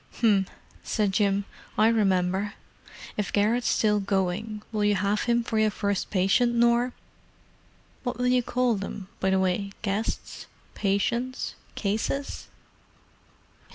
"'M!" said Jim. "I remember. If Garrett's still going, will you have him for your first patient, Nor? What will you call them, by the way—guests? patients? cases?"